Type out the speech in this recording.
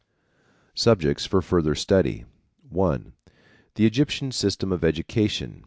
Subjects for Further Study. (1) The Egyptian System of Education.